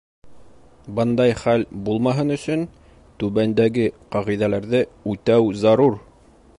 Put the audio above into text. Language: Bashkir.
Бындай хәл булмаһын өсөн, түбәндәге ҡағиҙәләрҙе үтәү зарур: